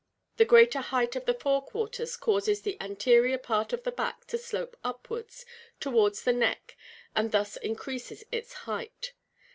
The greater height of the fore quarters causes the anterior part of the back to slope upwards towards the neck and thus increases its height.